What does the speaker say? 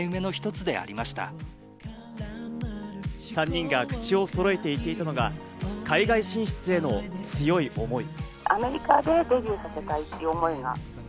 ３人が口をそろえて言っていたのが海外進出への強い思い。